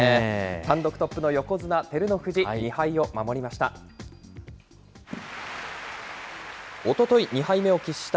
単独トップの横綱・照ノ富士、２敗を守りました。